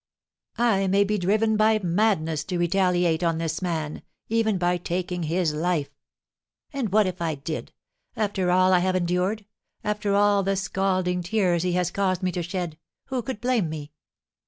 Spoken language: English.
I may be driven by madness to retaliate on this man, even by taking his life. And what if I did, after all I have endured, after all the scalding tears he has caused me to shed, who could blame me?